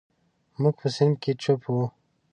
موږ په صنف کې چپ وو.